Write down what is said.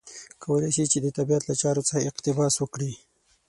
کولای شي چې د طبیعت له چارو څخه اقتباس وکړي.